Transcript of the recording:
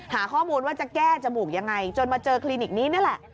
หาข้อมูลว่าจะแก้จมูกยังไงจนมาเจอคลินิกนี้นี่แหละ